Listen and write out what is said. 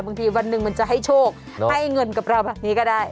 บางทีวันหนึ่งมันจะให้โชคให้เงินกับเราแบบนี้ก็ได้